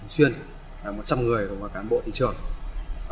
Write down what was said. xuyên là một trăm linh người của cán bộ thị trường